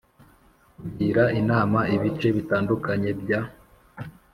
Kugira inama ibice bitandukanye bya